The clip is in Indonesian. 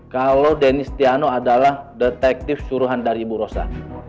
kalau denny stiano adalah detektif suruhan dari ibu rosan